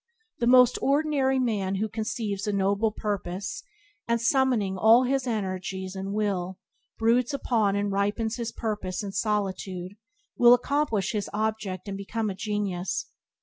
The most ordinary man who conceives a noble purpose, and, summoning all his energies and will, broods upon and ripens his purpose in solitude will accomplish his object and become a genius.